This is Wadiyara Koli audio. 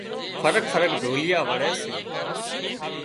فرق فرق ڍوليئا وڻي سي